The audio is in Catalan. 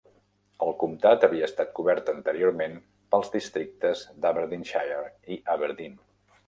El comtat havia estat cobert anteriorment pels districtes d'Aberdeenshire i Aberdeen.